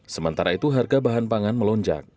sementara itu harga bahan pangan melonjak